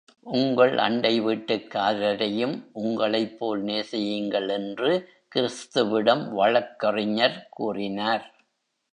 உங்கள் அண்டை வீட்டுக்காரரையும் உங்களைப் போல் நேசியுங்கள் என்று கிறிஸ்துவிடம் வழக்கறிஞர் கூறினார்.